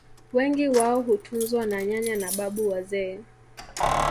Wengi wao hutunzwa na nyanya na babu wazee